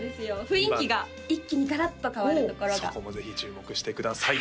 雰囲気が一気にガラッと変わるところがそこもぜひ注目してください